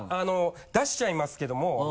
出しちゃいますけども。